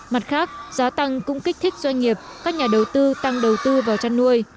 mặt khác giá tăng cũng kích thích doanh nghiệp các nhà đầu tư tăng đầu tư vào chăn nuôi